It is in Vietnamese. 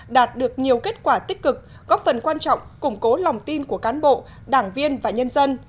đạt được nhiều kết quả tích cực góp phần quan trọng củng cố lòng tin của cán bộ đảng viên và nhân dân